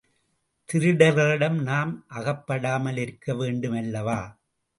திருடர்களிடம் நாம் அகப்படாமலிருக்க வேண்டுமல்லவா?